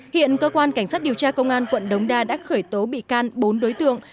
hiện cơ quan cảnh sát điều tra công an quận đống đa đã khởi tố bị can bốn đối tượng